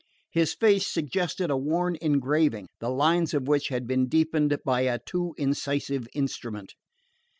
His face suggested a worn engraving, the lines of which have been deepened by a too incisive instrument.